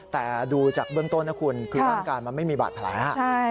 แต่ดูจากเบื้องต้นนะคุณคือร่างกายมันไม่มีบาดแผล